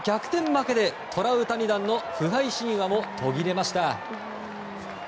負けでトラウタニ弾の不敗神話も途切れました。